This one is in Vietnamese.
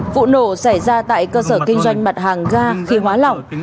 vụ nổ xảy ra tại cơ sở kinh doanh mặt hàng ga khí hóa lỏng